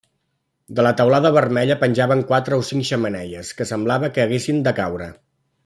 De la teulada vermella penjaven quatre o cinc xemeneies que semblava que haguessin de caure.